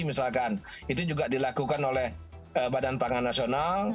misalkan itu juga dilakukan oleh badan pangan nasional